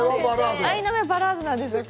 アイナメはバラードなんです。